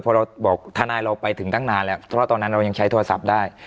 พอเราบอกทนายเราไปถึงตั้งนานแล้วเพราะตอนนั้นเรายังใช้โทรศัพท์ได้